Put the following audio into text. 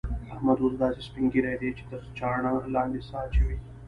احمد اوس داسې سپين ږيری دی چې تر چاړه لاندې سا اچوي.